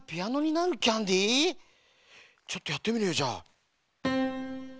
ちょっとやってみるよじゃあ。